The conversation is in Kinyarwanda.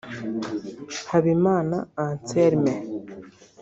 Habimana Anselme